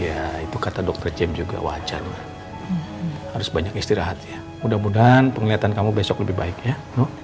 ya itu kata dokter jam juga wajar harus banyak istirahat ya mudah mudahan penglihatan kamu besok lebih baik ya